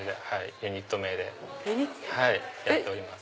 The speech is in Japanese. ユニット名でやっております。